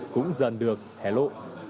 cũng dần được hẻ lộ